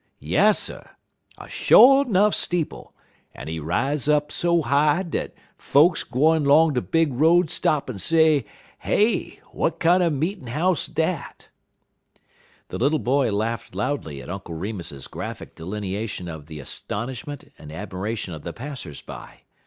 Yasser! A sho' 'nuff steeple, en he rise 'er up so high dat folks gwine 'long de big road stop en say, 'Hey! W'at kinder meetin' house dat?'" The little boy laughed loudly at Uncle Remus's graphic delineation of the astonishment and admiration of the passers by.